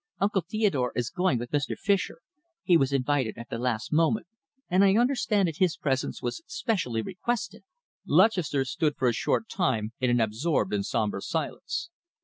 "Uncle Theodore is going with Mr. Fischer. He was invited at the last moment, and I understand that his presence was specially requested." Lutchester stood for a short time in an absorbed and sombre silence.